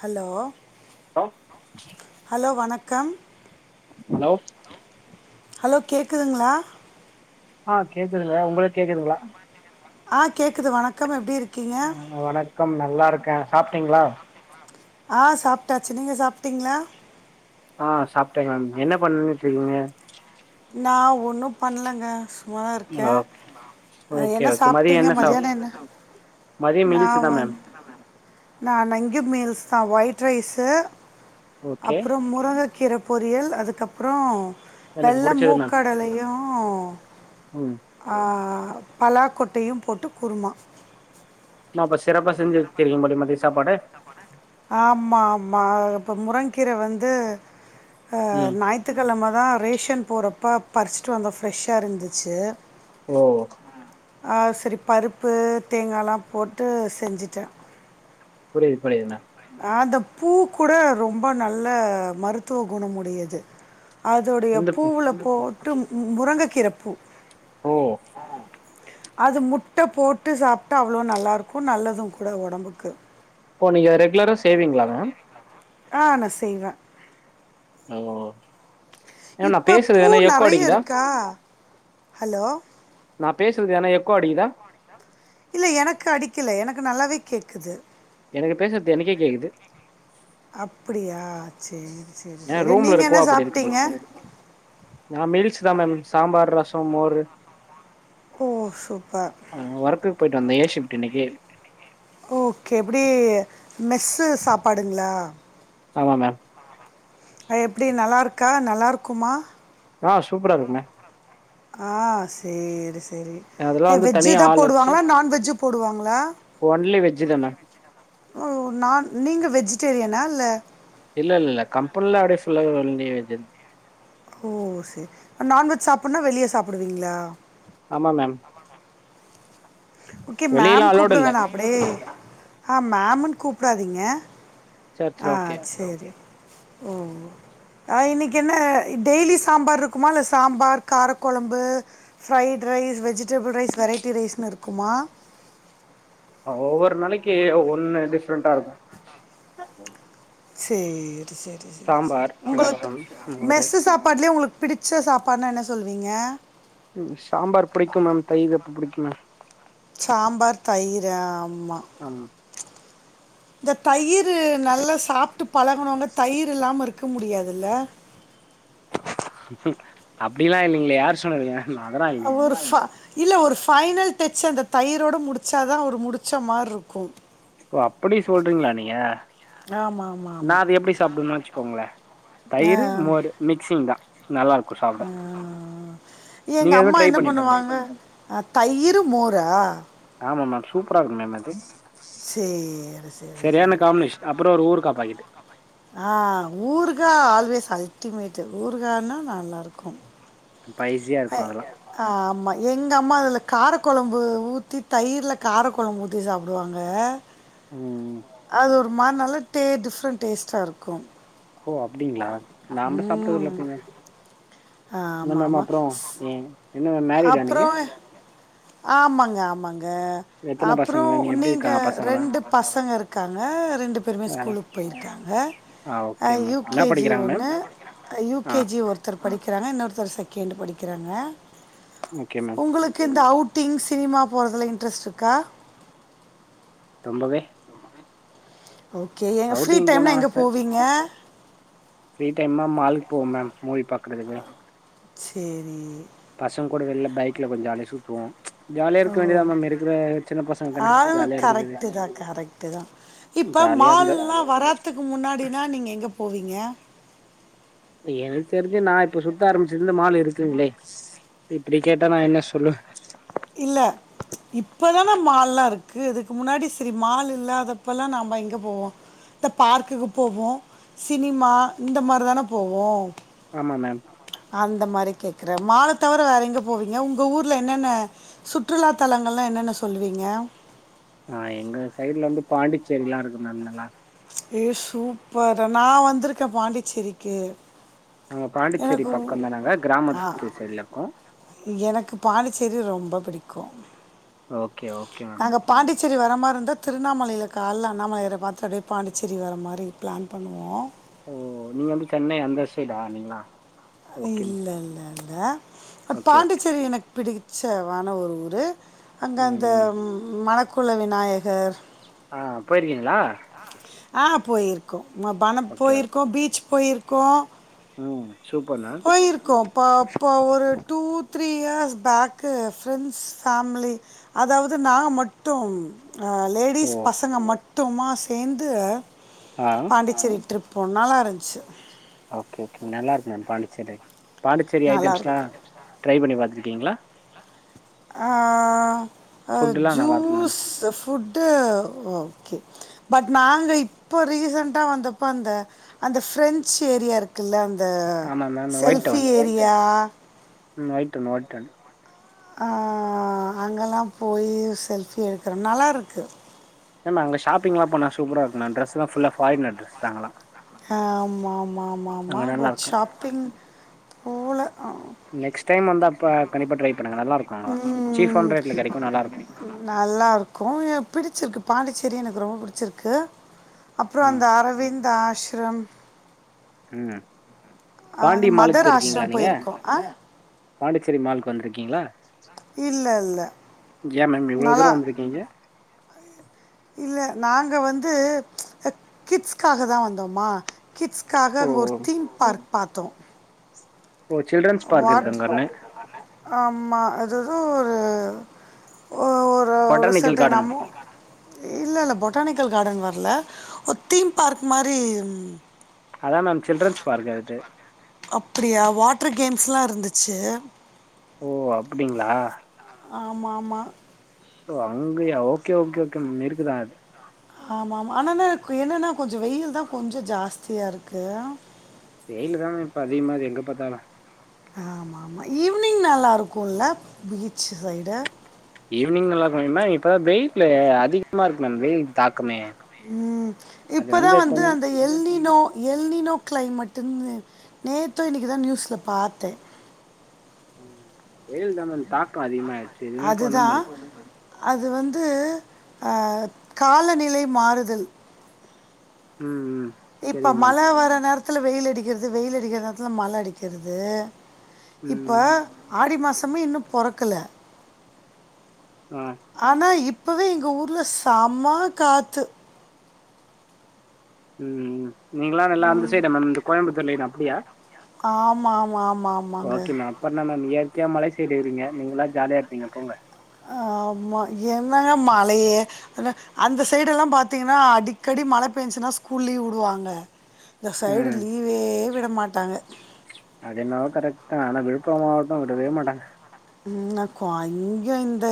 Hello hello hello வணக்கம் hello hello கேக்குதுங்ளா ஆ கேக்குதுள உங்ளுக் கேக்குதுங்ளா ஆ கேக்குது வணக்கம் எப்டி இருக்கீங்க கம் நல்லாருக்க சாப்ட்டீங்ளா ஆ சாப்ட்டாச்சு நீங்க சாப்ட்டீங்ளா ஆ சாப்ட்டே மம் என்ன பண்ணிட்டுருக்கீங்க நா ஒன்னு பண்லங்க சும்மாதா இருக்க ஆ அ ஓகே என்ன சாப்ட்டீங்க மத்யானோ என்ன மதியோ மீல்ஸ்சுதா மம் நா இங்கியா மீல்ஸ் தா ஒயிட் ரைஸு ஓகே அப்றோ முருங்க கீரப் பொரியல் அதுக்கப்றோ எனக்கு வெள்ள புடிச்சது மேம் மூக்கடலயு ம் ஆ பலா கொட்டையு போட்டு குருமா நா அப்ப சிறப்பா செஞ்சு வச்சிருக்கு படி மதிய சாப்பாட ஆம்மா ஆம்மா இப்ப முரங்கீர வந்து அ ம் ஞாயி த்துக்கெழம தா ரேஷன் போறப்ப பறிச்சிட்டு வந்த ஃப்ரெஷ்ஷா இருந்துச்சு ஓ ஆ செரி பருப்பு தேங்காலா போட்டு செஞ்சிட்ட புரிது புரிதுன அ அந்த பூ கூட ரொம்ப நல்ல மருத்துவ குணமுடையது அதோடய எந்த பூவுல போட்டு மு முருங்கக்கீரப்பூ ஓ அது முட்ட போட்டு சாப்ட்டா அவ்ளோ நல்லாருக்கு நல்லது கூட ஒடம்புக்கு ஓ நீங்க ரெகுலரா செய்வீங்ளா மம் ஆ நா செய்வ ஓ எ நா இப்போ பேசுறது பூ எங்னா எக்கோ நிறைய அடிக்குதா இருக்கா ஹலோ நா பேசுறது யானா எக்கோ அடிக்குதா இல்ல எனக்கு அடிக்கல எனக்கு நல்லாவே கேக்குது எனக்கு பேசுறது எனக்கே கேக்குது அப்டியா சேரி சேரி ஏ சேரி ரூம்ல நீங்க என்ன இருக்கவா அப்படி இருக்கு போல சாப்ட்டீங்க நா மீல்ஸ் தா மம் சாம்பார் ரசம் மோரு ஓ சூப்பர் ஆ ஒர்க்குக்கு போய்ட்டு வந்த ஏ ஷிப்ட்டு இன்னிக்கு ஓகே எப்டி மெஸ்ஸு சாப்பாடுங்ளா ஆமா மம் ஏ எப்டி நல்லாருக்கா நல்லாருக்குமா ஆ சூப்பரா இருக்கு ம ஆ சேரி சேரி அதெல்லா ஏ வந்து வெஜ்ஜு தனியா தா ஆள் வச்சு போடுவாங்களா நான்வெஜ்ஜு போடுவாங்ளா ஒன்லி வெஜ்சு தா மம் ஓ நா நீங்க வெஜிடேரியனா இல்ல இல்ல இல்ல கம்பனிலா அப்டி ஃபுல்லா வந்து ஓ சேரி நான்வெஜ் சாப்பிட்னா வெளிய சாப்புடுவீங்ளா ஆமா மம் ஓகே மம் வெளியலா அலோடு கூப்பிட இல்ல வேணா அப்டே ஆ மமுன் கூப்டாதீங்க சேர் சேர் ஆ ஓகே செரி ஓ அ இன்னைக்கு என்ன டெய்லி சாம்பார் இருக்குமா இல்ல சாம்பார் காரக்கொழம்பு fried rice vegetable rice variety ரைஸ்னு இருக்குமா ஒவ்வொரு நாளைக்கு ஒண்ணு டிஃப்ரெண்டா இருக்கு சேரி சேரி சேரி சேரி சாம்பார் உங்களுக்கு ரசம் மோரு மெஸ் சாப்பாடுலயே உங்களுக்கு பிடிச்ச சாப்பாட்னா என்ன சொல்லுவீங்க ம் சாம்பார் பிடிக்கு மேம் தயிர் அப்ப பிடிக்கு மேம் சாம்பார் தயிரா ஆமா ஆமா இந்த தயிரு நல்லா சாப்ட்டு பழகனவங்க தயிர் இல்லாம இருக்க முடியாதில்ல அப்டிலா இல்லைங்ளே யார் சொன்னதுங்க அதெல்லா இல்லைங்க அவரு ஃபா இல்ல ஒரு ஃபைனல் டச் அந்த தயிரோட முடிச்சாதா ஒரு முடிச்ச மாரி இருக்கு ஓ அப்டி சொல்றீங்க்ளா நீங்க ஆமாம் ஆமாம் நா ஆமாம் அத எப்டி சாப்பிடும்ன்னு வச்சுக்கோங்ளே ஆ, தயிரு மோரு மிக்சிங் தா நல்லா இருக்கு ஆ. சாப்ட நீங்க எதும் ட்ரை பண்ணி பாருங்க தயிரு மோரா ஆமா மேம் சூப்பரா இருக்கு மேம் அது சேரி செரியான காம்பினேஷ அப்றொ ஒரு ஊருகா பாகெட்டு ஆ ஊர்கா ஆல்வேஸ் அல்டிமேட்டு் ஊர்கான்னா நல்லாருக்கு பைசியா இருக்கு அதெல்லா ஆ ஆமா எங்க அம்மா அதுல காரக்கொழம்பு ஊத்தி தயிர்ல காரக்குழம்பு ஊத் தி சாப்டுவாங்க ம் அது ஒரு மா நல்ல டே டிஃப்ரெண்ட் டேஸ்டா இருக்கும் ஓ அப்டிங்களா நாம சாப்ட்டதில்ல ம் அப்டி மேம் ஆ என்ன ஆமா மேம் ஆமா அப்புறோ ஸ் ஏ என்ன மேம் மேரிடா அப்றொ நீங்க ஆமாங்க ஆமாங்க எத்தன அப்புறொ பசங்க மேம் எப்டி நீங்க இருக்காங்க பசங்களா ரெண்டு பசங்க இருக்காங்க ரெண்டு பேருமே ஸ்கூலுக் போயிருக்காங்க ஆ அ ஓகே மேம் என்ன யூகேஜி படிக்கிறாங்க மேம் ஒண்ணு ஆ யூகேஜி ஒரு படிக்கிறாங்க இன்னொருத்தர் செகண்டு படிக்கிறாங்க ஓகே மேம் உங்களுக்கு இந்த அவுட்டிங் சினிமா போறதுல இன்ட்ரெஸ்ட் இருக்கா ரொம்பவே ஓகே ஏங்க ஃப்ரீ அவுட்டிங் போன டைம்னா எங்க ஆச போவீங்க ஃப்ரீ டைம்னா மால்க்கு போம் மேம் மூவி பாக்றதுக்கு சேரி பசங்கூட வெள்ள பைக்ல கொஞ்சோ ஜாலியா சுத்துவோ ஜாலியா இருக்க வேண்டிதா மேம் இருக்கிற சின்ன பசங்கதான அது ஜாலியா இருக்கறது கரெக்ட்டு தான், கரெக்ட்டு தான். இப்ப மால்லா வராத்துக்கு முன்னாடினா நீங்க எங்க போவீங்க எனக்கு தெரிஞ்சு நா இப்ப சுத்த ஆரம்பிச்சிதுலருந்து மால் இருக்குங்ளே இப்டிக்கேட்டா நா என்ன சொல்லுவே இல்ல இப்பதான மால்லா இருக்கு இதுக்கு முன்னாடி சரி மால் இல்லாதப்பல்லா நாம எங்க போவோ இந்த பார்க்குக்கு போவோ சினிமா இந்த மாரி தான போவோ ஆமா மேம் அந்த மாரி கேக்குற மால தவிர வேற எங்க போவீங்க உங்க ஊர்ல என்னென்ன சுற்றுலா தலங்கள்லா என்னென்ன சொல்வீங்க ஆ எங்க சைடுல வந்து பாண்டிச்சேரில்லா இருக்கு மேம் நல்லா ஏ சூப்பர் நா வந்துருக்கே பாண்டிச்சேரிக்கு நாங்க பாண்டிச்சேரி எனக்கு பக்கே தானாங்க ஆ கிராமத்து சைட்ல இருக்கோ எனக்கு பாண்டிச்சேரி ரொம்ப பிடிக்கூ ஓகே ஓகே மேம் நாங்க பாண்டிச்சேரி வர மார்ருந்தா திருண்ணாமலையில கால அண்ணாமலையார பாத்துட்டு அப்டியே பாண்டிச்சேரி வர மாரி பிளான் பண்ணுவோ ஓ நீங்க வந்து சென்னை அந்த சைடா நீங்ளா இல்ல இல்ல இல்ல ஓகே ஓகே பாண்டிச்சேரி எனக்கு பிடிச்ச வான ஒரு ஊரு அந்த அந்த ம் மணக்குள விநாயகர் ஆ போயிருக்கீங்ளா ஆ போய்ர்க்கோ ம பண ஓகே ஓகே போய்ர்க்கோ பீச் போய்ர்க்கோ சூப்பர்னா போயிருக்கோ ப்பா ப்பா ஒரு two three years back friends family அதாவது நா மட்டூ அ ஓ லேடிஸ் பசங்க மட்டுமா சேந்து ஆ பாண்டிச்சேரி ட்ரிப் பொ நல்லா இருந்ச்சு ஓகே ஓகே நல்லாருக்கூ மேம் பாண்டிச்செரி பாண்டிச்செரி ஐட்டம்ஸ்லா நல்லாயிருக்கும் ட்ரை பண்ணி பாத்ருக்கீங்களா ஆ ஆ ஃபுட்டுலா நல்லா இருக்கும் ma'am juice food okay but நாங்க இப்போ ரீசெண்டா வந்தப்போ அந்த அந்த ஃப்ரெஞ்சு ஏரியா இருக் க்குல்ல அந்த ஆமாம் ma'am white selfie town area ம் ஒய்டவுன் வோட்டன் அ அங்கெல்லா போயீ செல்ஃபி எடுக்கிறோ நல்லாருக்கு மேம் அங்க ஷாப்பிங்லா போனா சூப்பரா இருக்கோ மேம் ட்ரெஸ் லா ஃபுல்லா பாரினர் ட்ரஸ்தா அங்களா அ ஆமா மா மா ம்மா பட் நல்லாயிருக்கும் ஷாப்பிங் போல அ நெக்ஸ்ட் டைம் வந்தாப்ப கண்டிப்பா ட்ரை பண்ணுங்க நல்லா இருக்கோ அங்களா சீப்பான ரேட்ல கெடைக்கோ நல்லா இருக்கோ நல்லாருக்கோ எனக் பிடிச்சிருக்கு பாண்டிச்சேரி எனக்கு ரொம்ப பிடிச்சிருக்கு அப்றோ ம் அந்த அரவிந் ஆஸ்ரம் ம் பாண்டி அந்த மாலுக்கு மதர் பேய்ர்க்கீங்களா ஆஷ்ரம் நீங்க போயிருக்கோம் ஆ பாண்டிச்சேரி மால்க்கு வந்திருக்கீங்களா இல்லை இல்லை ஏ மேம் இவ்ளோ நல்லா தூரோ வந்துருக்கீங்க இல்ல நாங்க வந்து அ கிட்ஸ்காக தா வந்தோமா கிட்ஸ்க்காக ஓ அங்க ஒரு தீம் பார்க் பார்த்தோ ஓ சில்ட்ரன்ஸ் பார்க் இருக்கு வாட் அங்கே ஒன்று ஆமா அது எதோ ஒரு ஓ ஒர் ஒரு பொட்டானிக்கல் கார்டன் செர்ட்நமி இல்லில்ல பொட்டானிக்கல் கார்டன் வர்ல ஒரு தீம் பார்க் மாரி இருந் அதான் மேம் சில்ரன்ஸ் பார்க் அது அப்பிடியா வாட்ரு கேம்ஸ்லா இருந்துச்சு ஓ அப்புடிங்ளா ஆமா மாம் மா ஓ அங்கயா ஓகே ஓகே ஓகே மிருக்குதா ஆமா மா ஆனான என்னென்னா கொஞ்சோ வெயில் தா கொஞ்சோ ஜாஸ்தியா இருக்கு வெயிலு தா இப்ப அதிகமா இருக்கு எங்க பாத்தாலூ ஆமாம் மா ஈவினிங் நல்லாருக்குல்ல பீச்சு சைடு ஈவினிங் நல்லா இரூக்குன்னீங்னா இப்பதா வெயிட்ல அதிகமாருக்கு மேம் வெயில் தாக்கமே ம் அது இப்பதா வந்து கொஞ் அந்த எல்னினோ எல்னினோ க்ளைமட்டுன்னு நேத்தோ இன்னைக்கோதா நியூஸ்ல பாத்தே வெயில் தா மேம் தாக்கோ அதிகமாயிடுச்சு எதுவுமே பண்ண அதுதான் முல்ல அது வந்து அ காலநிலை மாறுதல் ம் ம் இப்ப சரிங்க மேம் மழ வர நேரத்துல வெயில் அடிக்கிறது வெயில் அடிக்கிற நேரத்துல மழ அடிக்கிறது இப்ப ம் ஆடி மாசமே இன்னு பொறக்கல அ ஆனா இப்பவே எங்க ஊர்ல செம்ம காத்து ம் நீங்களா நல்லா அந்த சைடே மேம் இந்த கோயம்புத்தூர் லைன் அப்டியா ஆமா ஆமா ஆமா ஆமாங்க அப்றோ என்ன மேம் இயற்கைய மலை சைடுருக்கீங்க நீங்களா ஜாலியாருப்பீங்க போங்க ஆ ஆம்மா என்னங்க மழையே அந்த சைடுல்லா பாத்தீங்கன்னா அடிக்கடி மழ பெஞ்சுன்னா ஸ்கூல் லீவ் வுடுவாங்க இந்த சைடு ம் லீவே விட மாட்டாங்க அது என்னவோ கரெட் தா ஆனா விழுப்புரோ மாவட்டோ விடவே மாட்டாங்க ந கோ இங்கயு இந்த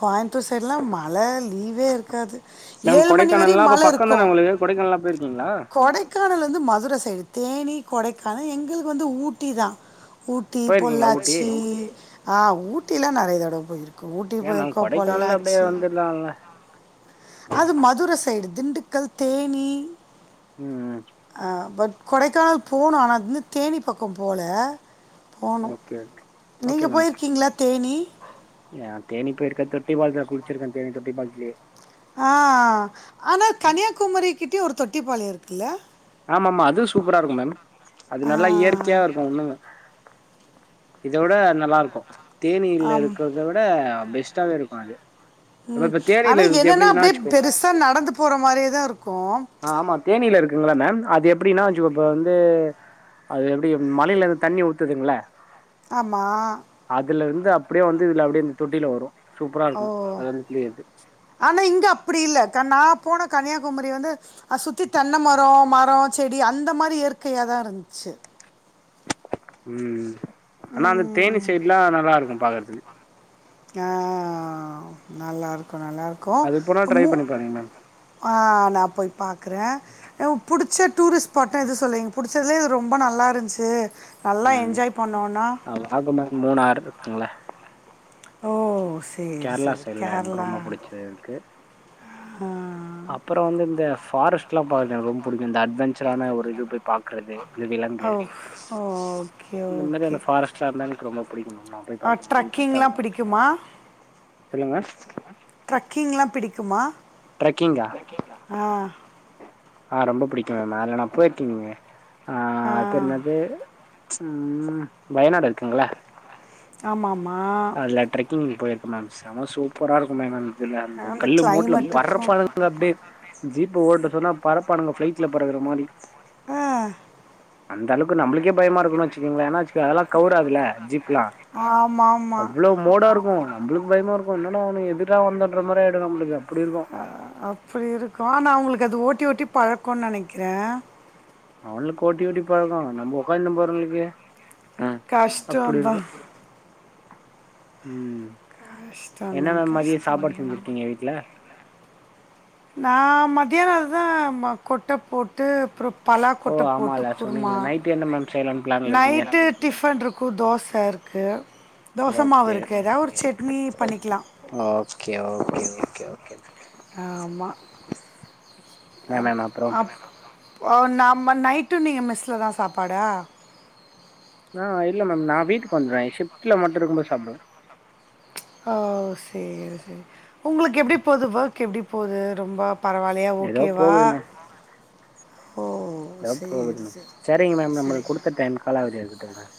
கோயமுத்தூர் சைடுலா மழ லீவே இருக்காது மேம் ஏழு மணி வரையு கொடைக்கானல்லா அப்ப மழ பக்கோ இருக்குஜௌ தான உங்களுக்கு கொடைக்கானல்லா போயிருக்கீங்களா கொடை க்கானல் வந்து மதுர சைடு தேனி கொடைக்கானல் எங்களுக்கு வந்து ஊட்டி தா ஊட்டி போயிருக்கீங்களா ஊட்டி பொள்ளாச்சி ஆ ஊட்டிலா நெறைய தடவ போயிருக் ஊட்டி போயிருக்கோ பொள்ளாச்சி தாங்க அது மதுர சைடு திண்டுக்கல் தேனி ம் அ கொடைக்கானல் போணோ ஆனா வந்து தேனி பக்கோ போல போணு க்கேட் நீங்க போயிருக்கீங்ளா தேனி நா தேனி பேயிருக்க தொட்டி பாலத்ல குளுச்சுருக்கே தேனி தொட்டி பாலத்லயே ஆ ஆனா கன்னியாகுமரி கிட்டயு ஒரு தொட்டிப்பாளயோ இருக்குல்ல ஆமாமா அது சூப்பராருக்கு மேம் அது ஆ நல்லா இயற்கையாருக்கு இன்னுமு இத விட அது நல்லாருக்கு ஆம் தேனீலருக்கத விட பெஸ்ட்டாவேருக்கு அது இப்போ ம் இப்போ ஆனா தேனியில் இருக்குது என்னனா எப்படின்னா அப்டியே வச்சுக்கோ பெருசா நடந்து போற மாரியே தா ருக்கு ஆ ஆமா தேனியில இருக்குங்கள மேம் அது எப்டினா வச்சுக்கோ இப்ப வந்து அது எப்டி மலையிலருந்து தண்ணி ஊத்துதுங்ள ஆமா அதுலருந்து அப்டியே வந்து இதுல அப்டியே இந்த தொட்டில வரு ஓ சூப்பராருக்கு அது வந்து குளிக்கறது ஆனா இங்க அப்புடி இல்ல க நா போன கன்னியாகுமரி வந்து அ சுத்தி தென்ன மரோ மரோ செடி அந்த மாரி இயற்கையா தா இருந்துச்சு ம் ஆனா அந்த ம் தேனி சைடுல்லா நல்லாருக்கு பாக்கறதுக்கு ஆ நல்லாருக்கு நல்லாருக்கு அது போனா அ ட்ரை மூ பண்ணி பாருங்க மேம் ஆ நா போய் பாக்கறே ஏ புடுச்ச டூரிஸ்ட் ஸ்பாட்னா எது சொல்லுவீங்க புடுச்சதுலே இது ரொம்ப நல்லா இருந்துச்சு நல்லா என்ஜாய் பண்ணோனா ஆகம மூனாறு இருக்குங்ளா ஓ சரி கேரளா சரி சைட்ல எனக்கு கேரளா ரொம்ப புடுச்சு இருக்கு அப்றோ வந்து இந்த ஃபாரஸ்ட்லா பாக்கற ரொம்ப புடிக்கு இந்த அட்வெஞ்சரான ஒரு இது போய் பாக்கறது இந்த ஆ விலங்கு ஓகே அந்த மரி ஓகே அந்த ஃபாரஸ்டா இருந்தா எனக்கு ரொம்பபுடிக்கு மேம் நா போய் பாக்றதுக்கு இன்டரஸ்ட்டா ட்ரக்கிங்லாம் இருக்கு எனக்கு பிடிக்குமா சொல்லுங்க ட்ரக்கிங்லா பிடிக்குமா ப்ரெக்கிங்கா ஆ ஆ ரொம்ப புடிக்கு மேம் அதுல நா போயிருக்கீங்க ஆ அது என்னது ம் வயநாடு இருக்குங்ளா ஆமாமா அதுலா ட்ரக்கிங் போயிருக்க மேம் செம சூப்பரா இருக்கும் மேம் இதுல அந்த கல்லு மோட்டுல பறப்பானுங்க அப்டியே ஜீப்ப ஓட்டு சொன்னா பரப்பானுங்க பிளைட்ல பறகுற மாரி ஆ அந்த அவுக்கு நம்ளுக்கே பயமா இருக்குன் வச்சுக்கங்ள ஏனாச் அதெல்லா கவவுறாதுல ஜீப்லா ஆமாம் ஆமாம் அவ்ளவ் மோடா இருக்கு நம்ளுக்கு பயமாருக்கு என்டா இது எதுக்டா வந்தோன்ற மாரி ஆயிடு நம்ளுக்கு அப்டி இருக்கு அப்டி இருக்கு ஆனா அவுங்களுக்கு அது ஓட்டி ஓட்டி பழக்கன்னு நனைக்கிற அவுங்களுகு ஒட்டி ஓட்டி பழ்க்கோ நம்ம உட்காந்துந் போறவங்ளுக்கு அ அப்டி இருக்கு கஷ்டம்தான் ம் என்ன கஷ்டம்தான் மேம் மதிய சாப்பாடு கஷ்டம்தான் செஞ்சிருக்கீங்க வீட்ல நா மத்தியான அது தா கொட்ட போட்டு அப்புரோ பலா ஓ கொட்ட போட்டு ஆமால குருமா சொன்னீங்களே நைட்டு என்ன மேம் செய்யலான்னு பிளான்ல இருக்கீங்க நைட்டு டிஃபன் இருக்கும் தோச இருக்கு தோச மாவு ஓகே இருக்கு எதனா ஒரு சட்னி பண்ணிக்கலா ஓகே ஓகே ஓகே ஓகே ஆமா மேம் அப் மேம் அப்புறம் அப் ஒ நம்ம நைட்டு நீங்க மெஸ்சுல தா சாப்பாடா ஆ இல்ல மேம் நா வீட்டுக்கு வந்துருவ ஷிப்ட்ல மட்டு இருக்கு போது சாப்டுவ செரி செரி உங்ளுக் எப்டி போது ஒர்க் எப்டி போது ரொம்ப பரவாயில் தயா ஏதோ ஓகேவா போகுது ஓ எதோ சரி போது மேம் சரி சேரிங் மேம் நம்ளுக்கு குடுத்த டைம் காலாவதி ஆகிவிட்டது மேம்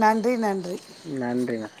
நன்றி நன்றி நன்றி மேம்